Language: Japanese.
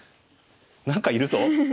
何かいるぞ！